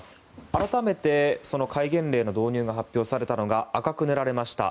改めて戒厳令の導入が発表されたのが赤く塗られました